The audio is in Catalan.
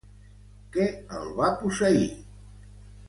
Què el va posseir?